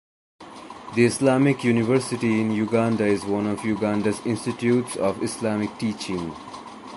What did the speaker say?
The Islamic University in Uganda is one of Uganda's institutes of Islamic teaching.